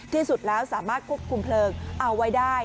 ที่สุดแล้วสามารถควบคุมเพลิงเอาไว้ได้